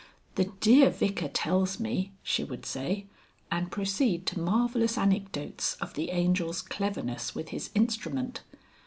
"The dear Vicar tells me," she would say, and proceed to marvellous anecdotes of the Angel's cleverness with his instrument.